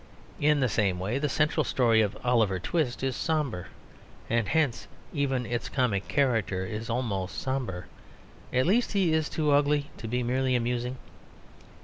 In the same way, the central story of Oliver Twist is sombre; and hence even its comic character is almost sombre; at least he is too ugly to be merely amusing.